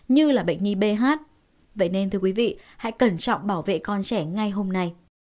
như là bệnh nhi b vậy nên thưa quý vị hãy cẩn trọng bảo vệ con trẻ ngay hôm nay